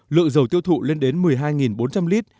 lượng dầu tiêu thụ lên đến một mươi hai bốn trăm linh lít